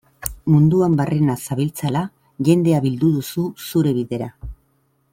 Munduan barrena zabiltzala, jendea bildu duzu zure bidera.